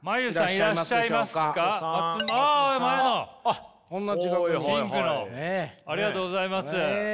ありがとうございます。